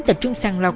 tập trung sàng lọc